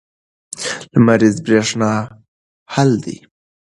لمریزه برېښنا حل دی.